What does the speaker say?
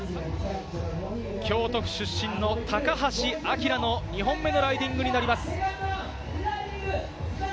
京都府出身の高橋彬の２本目のライディングになります。